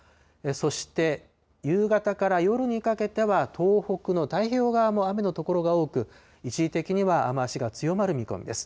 そして、夕方から夜にかけては、東北の太平洋側も雨の所が多く、一時的には雨足が強まる見込みです。